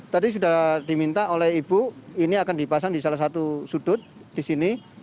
tadi sudah diminta oleh ibu ini akan dipasang di salah satu sudut di sini